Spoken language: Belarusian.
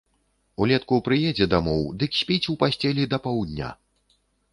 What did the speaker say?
Улетку прыедзе дамоў, дык спіць у пасцелі да паўдня.